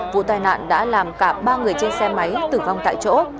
vụ tai nạn đã làm cả ba người trên xe máy tử vong tại chỗ